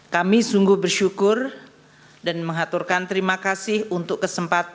kami sungguh bersyukur dan mengaturkan terima kasih untuk kesempatan